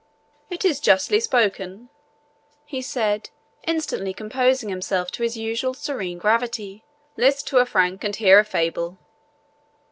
"It is justly spoken," he said, instantly composing himself to his usual serene gravity; "List to a Frank, and hear a fable."